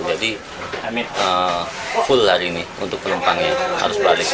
jadi full hari ini untuk penumpangnya harus balik